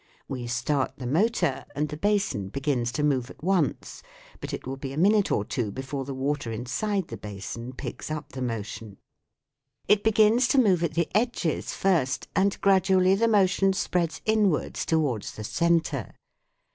We start the motor, and the basin begins to move at once ; but it will be a minute or two before the water inside the basin picks up the motion. SOUNDS OF THE COUNTRY 113 It begins to move at the edges first, and gradually the motion spreads inwards towards the centre.